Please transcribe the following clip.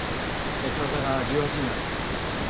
年齢の差が１８になったって。